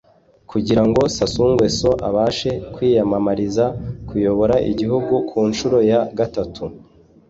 kugira ngo Sassou Nguesso abashe kwiyamamariza kuyobora igihugu ku nshuro ya gatatu